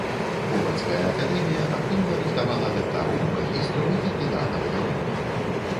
Полацкая акадэмія актыўна рыхтавала дактароў, магістраў і кандыдатаў навук.